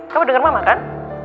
kamu denger mama kan